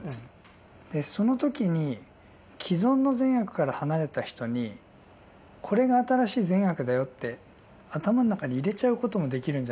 その時に既存の善悪から離れた人にこれが新しい善悪だよって頭の中に入れちゃうこともできるんじゃないかと思うんです。